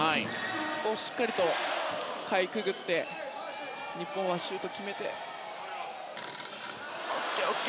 そこをしっかりかいくぐって日本はシュートを決めたい。